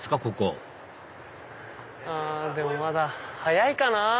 ここでもまだ早いかな。